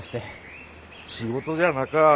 仕事じゃなか。